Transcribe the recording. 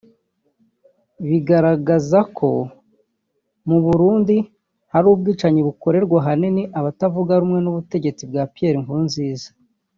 bigaragaza ko mu Burundi hari ubwicanyi bukorerwa ahanini abatavuga rumwe n’ubutegetsi bwa Pierre Nkurunziza